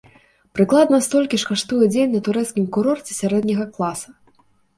Прыкладна столькі ж каштуе дзень на турэцкім курорце сярэдняга класа.